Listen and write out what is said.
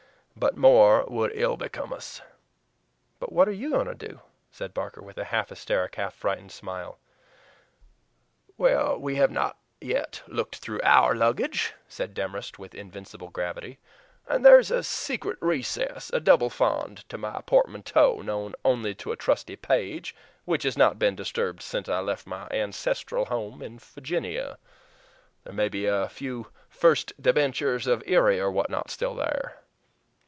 But more would ill become us!" "But what are YOU going to do?" said Barker, with a half hysteric, half frightened smile. "We have not yet looked through our luggage," said Demorest with invincible gravity, "and there's a secret recess a double FOND to my portmanteau, known only to a trusty page, which has not been disturbed since I left my ancestral home in Faginia. There may be a few First Debentures of Erie or what not still there."